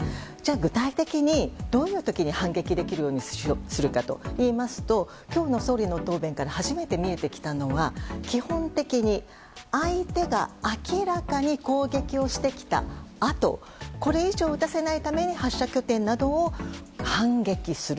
具体的にどんな時に反撃できるようにするかといいますと今日の総理の答弁から初めて見えてきたのは基本的に、相手が明らかに攻撃をしてきたあとこれ以上撃たせないために発射拠点などを反撃する。